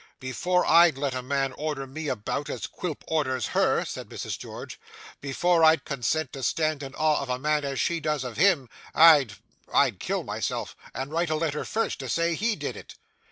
'Before I'd let a man order me about as Quilp orders her,' said Mrs George, 'before I'd consent to stand in awe of a man as she does of him, I'd I'd kill myself, and write a letter first to say he did it!